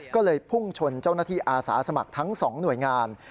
ก็เลยพุ่งชนเจ้าหน้าที่อาสาสมัครทั้ง๒หน่วยงาน